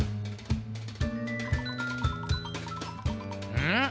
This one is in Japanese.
うん？